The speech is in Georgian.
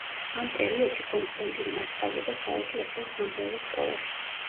ამ პერიოდში კონსტანტინე ასწავლიდა საეკლესიო-სამრევლო სკოლაში.